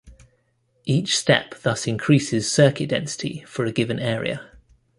Each step thus increases circuit density for a given area.